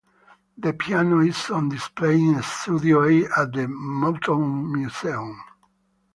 The piano is on display in Studio A at the Motown Museum.